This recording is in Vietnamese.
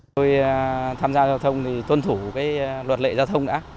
tôi tham gia giao thông thì tuân thủ cái luật lệ giao thông đã